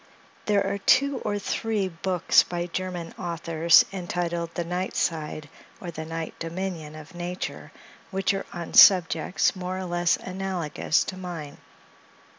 There are two or three books by German authors, entitled "The Night Side," or "The Night Dominion of Nature," which are on subjects, more or less analogous to mine.